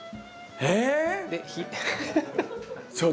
えっ！